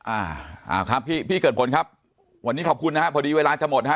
อ่าอ่าครับพี่พี่เกิดผลครับวันนี้ขอบคุณนะฮะพอดีเวลาจะหมดฮะ